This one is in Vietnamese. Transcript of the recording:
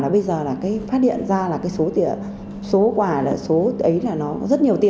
bây giờ là phát điện ra là cái số tiền số quà số ấy là nó rất nhiều